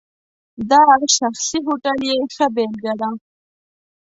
دا شخصي هوټل یې ښه بېلګه ده.